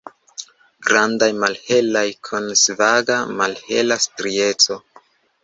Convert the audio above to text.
Grandaj, malhelaj, kun svaga malhela strieco.